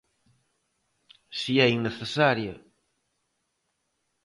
¡Se é innecesaria!